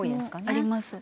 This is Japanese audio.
あります。